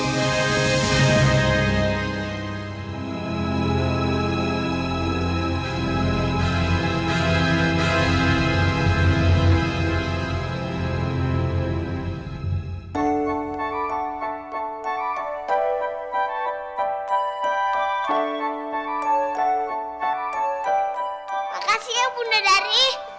makasih ya bunda dari